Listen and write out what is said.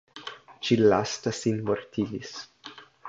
Ĉi lasta sin mortigis.